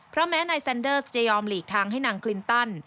เพราะแม้นายแซนเดอร์สจะยอมหลีกทางให้นางคลินตัน